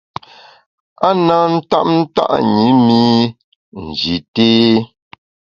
A na ntap nta’ ṅi mi Nji té.